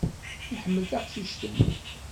Iḥemmel taqcict-nni.